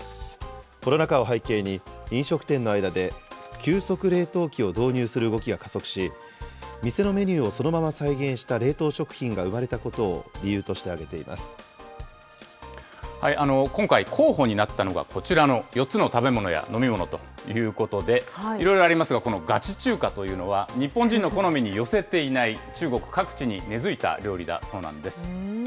コロナ禍を背景に、飲食店の間で、急速冷凍機を導入する動きが加速し、店のメニューをそのまま再現した冷凍食品が生まれたことを理由と今回、候補になったのが、こちらの４つの食べ物や飲み物ということで、いろいろありますが、このガチ中華というのは、日本人の好みに寄せていない、中国各地に根づいた料理だそうなんです。